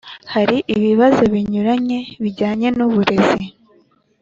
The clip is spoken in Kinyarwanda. Hari ibibazo binyuranye bijyanye n’uburezi